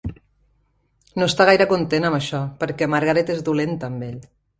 No està gaire content amb això, perquè Margaret és dolenta amb ell.